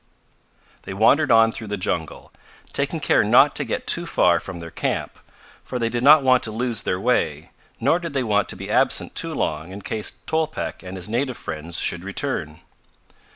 They wandered on through the jungle, taking care not to get too far from their camp, for they did not want to lose their way, nor did they want to be absent too long in case Tolpec and his native friends should return.